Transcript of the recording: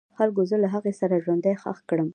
خلکو زه له هغې سره ژوندی خښ کړم.